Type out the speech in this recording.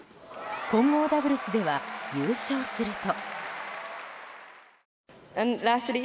混合ダブルスでは優勝すると。